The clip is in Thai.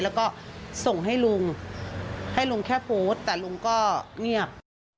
แล้วก็ส่งให้ลุงให้ลุงแค่โพสต์แต่ลุงก็เงียบ